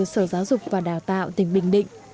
sở giáo dục và đào tạo tỉnh bình định